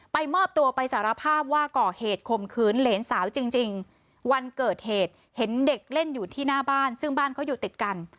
มอบตัวไปสารภาพว่าก่อเหตุข่มขืนเหรนสาวจริงวันเกิดเหตุเห็นเด็กเล่นอยู่ที่หน้าบ้านซึ่งบ้านเขาอยู่ติดกัน